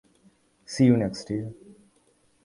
See you next year.